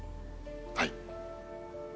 はい。